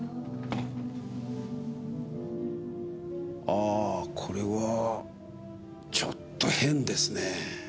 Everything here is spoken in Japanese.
ああこれはちょっと変ですねぇ。